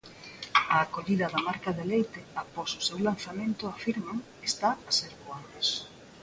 A acollida da marca Deleite após o seu lanzamento, afirman, está a ser boa.